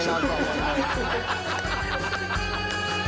ハハハハ！